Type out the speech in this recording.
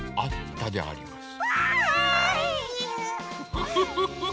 フフフフ。